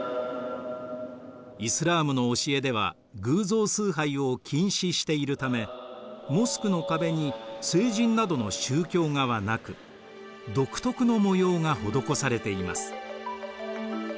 イスラームの教えでは偶像崇拝を禁止しているためモスクの壁に聖人などの宗教画はなく独特の模様が施されています。